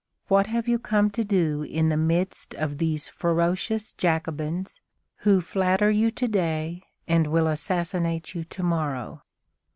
What have you come to do in the midst of these ferocious Jacobins, who flatter you to day and will assassinate you to morrow?